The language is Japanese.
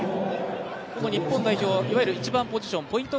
日本代表１番ポジションポイント